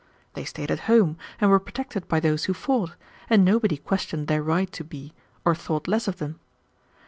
They stayed at home, and were protected by those who fought, and nobody questioned their right to be, or thought less of them.